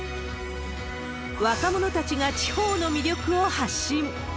若者たちが地方の魅力を発信。